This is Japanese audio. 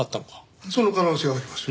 その可能性はあります。